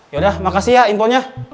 yaudah makasih ya imponnya